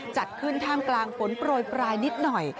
จัดขึ้นท่ามกลางฝนโปรยปลายนิดหน่อย